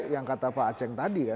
yang kata pak aceh tadi kan